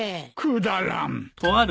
くだらん。